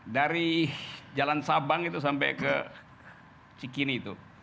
dari jalan sabang itu sampai ke cikini itu